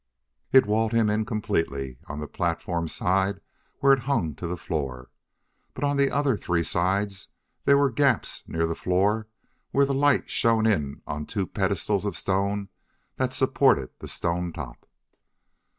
It walled him in completely on the platform side where it hung to the floor, but on the other three sides there were gaps near the floor where the light shone in on two pedestals of stone that supported the stone top.